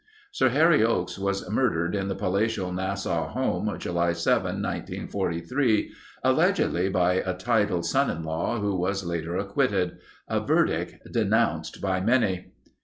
Sir Harry Oakes was murdered in the palatial Nassau home, July 7, 1943, allegedly by a titled son in law who was later acquitted—a verdict denounced by many.